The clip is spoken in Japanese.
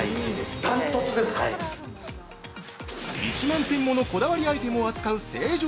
◆１万点ものこだわりアイテムを扱う成城